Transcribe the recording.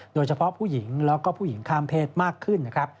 โดยเฉพาะผู้หญิงแล้วก็ผู้หญิงข้ามเพศมากขึ้นนะครับ